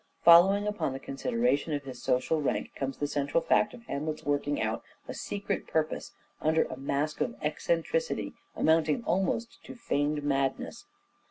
Following upon the consideration of his social rank comes the central fact of Hamlet's working out a secret purpose under a mask of eccentricity amounting DRAMATIC SELF REVELATION 465 almost to feigned madness.